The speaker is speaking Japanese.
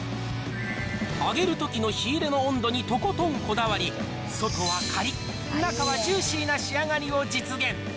揚げるときの火入れの温度にとことんこだわり、外はかりっ、中はジューシーな仕上がりを実現。